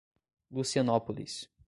Lucianópolis